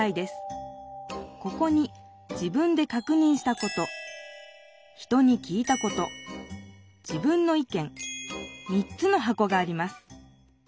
ここに「自分で確認したこと」「人に聞いたこと」「自分の意見」３つのはこがあります